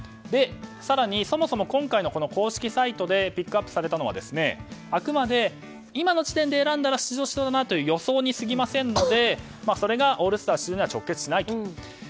更にそもそも今回の公式サイトでピックアップされたのはあくまで今の時点で選んだら出場しそうだなという予想にすぎませんのでそれがオールスター出場には直結しないと。